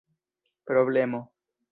problemo